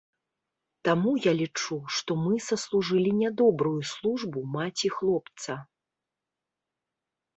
Таму я лічу, што мы саслужылі нядобрую службу маці хлопца.